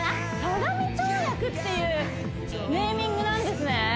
かがみ跳躍っていうネーミングなんですね